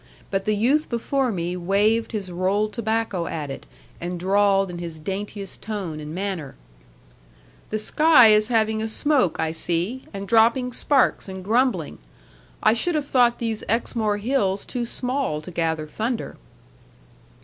But the youth before me waved his rolled tobacco at it, and drawled in his daintiest tone and manner, '"The sky is having a smoke, I see, and dropping sparks, and grumbling. I should have thought these Exmoor hills too small to gather thunder."